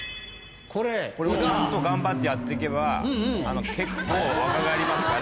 これこれが？頑張ってやって行けば結構若返りますから。